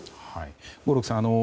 合六さん